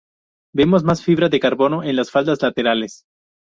Vemos más fibra de carbono en las faldas laterales.